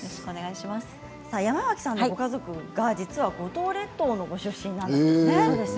山脇さんのご家族実は五島列島のご出身なんですね。